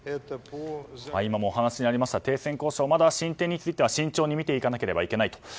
今もお話にありました停戦交渉、進展についてはまだまだ慎重に見ていかなければいけないと。